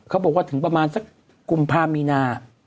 เขาบอกว่าถึงประมาณสักกุมภามีนา